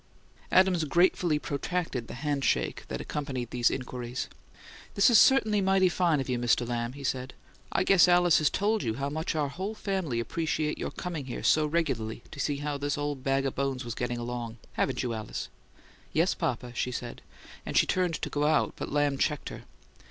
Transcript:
Adams gratefully protracted the handshake that accompanied these inquiries. "This is certainly mighty fine of you, Mr. Lamb," he said. "I guess Alice has told you how much our whole family appreciate your coming here so regularly to see how this old bag o' bones was getting along. Haven't you, Alice?" "Yes, papa," she said; and turned to go out, but Lamb checked her.